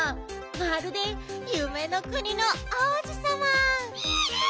まるでゆめのくにの王子さま！